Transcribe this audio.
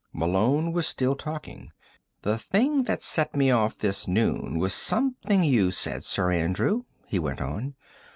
Malone was still talking. "The thing that set me off this noon was something you said, Sir Andrew," he went on.